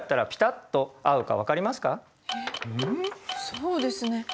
そうですね。